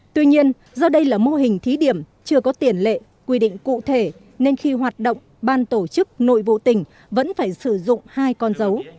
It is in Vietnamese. tuy nhiên do đây là mô hình thí điểm chưa có tiền lệ quy định cụ thể nên khi hoạt động ban tổ chức nội vụ tỉnh vẫn phải sử dụng hai con dấu